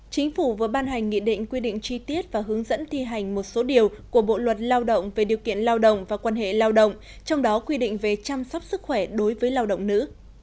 chính phủ vừa ban hành nghị định quy định chi tiết và hướng dẫn thi hành một số điều của bộ luật lao động về điều kiện lao động và quan hệ lao động trong đó quy định về chăm sóc sức khỏe đối với lao động nữ